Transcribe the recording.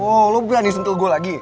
oh lo bilang disentuh gue lagi